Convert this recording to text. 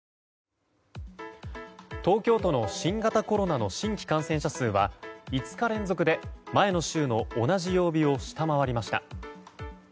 東京都の新型コロナの新規感染者数は５日連続で前の週の同じ曜日を下回りました。